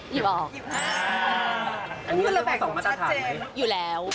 ว่าเป็นหน่ายหยิบออก